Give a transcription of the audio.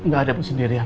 gak ada bu sendirian